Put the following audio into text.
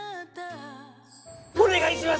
お願いします！